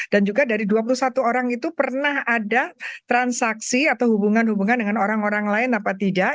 dan juga dari dua puluh satu orang itu pernah ada transaksi atau hubungan hubungan dengan orang orang lain apa tidak